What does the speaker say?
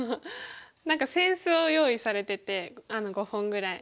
何か扇子を用意されてて５本ぐらい。